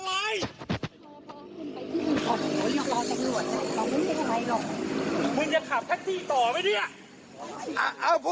เหรอ